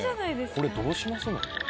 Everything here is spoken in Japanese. これどうしますの？